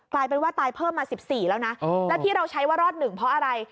กลายเป็นว่าตายเพิ่มมา๑๔แล้วนะแล้วที่เราใช้ว่ารอด๑เพราะอะไร